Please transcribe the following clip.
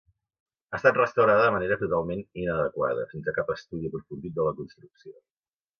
Ha estat restaurada de manera totalment inadequada, sense cap estudi aprofundit de la construcció.